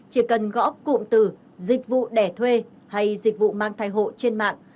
chỉ cần gõ cụm từ dịch vụ đẻ thuê hay dịch vụ mang thai hộ trên mạng